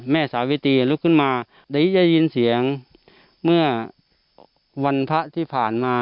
สาวิตรีลุกขึ้นมาได้ยินเสียงเมื่อวันพระที่ผ่านมา